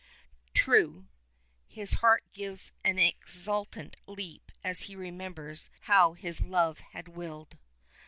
"True." His heart gives an exultant leap as he remembers how his love had willed.